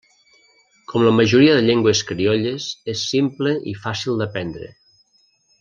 Com la majoria de llengües criolles és simple i fàcil d'aprendre.